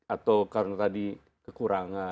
atau karena tadi kekurangan